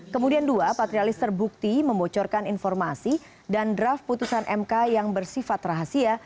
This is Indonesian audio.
kemudian dua patrialis terbukti membocorkan informasi dan draft putusan mk yang bersifat rahasia